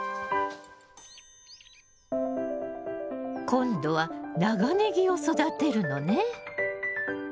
今度は長ネギを育てるのね。